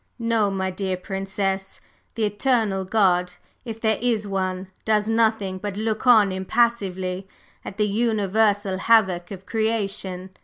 No, my dear Princess; the 'Eternal God,' if there is one, does nothing but look on impassively at the universal havoc of creation.